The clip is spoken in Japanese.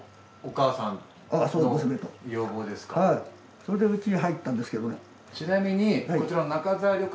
それでうちに入ったんですけどね。